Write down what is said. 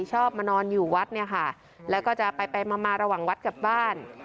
ชอบมานอนอยู่วัดเนี่ยค่ะแล้วก็จะไปไปมามาระหว่างวัดกลับบ้าน